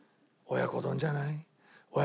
親子丼じゃない？」。